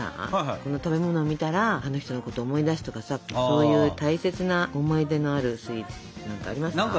この食べ物を見たらあの人のこと思い出すとかさそういう大切な思い出のあるスイーツ何かありますか？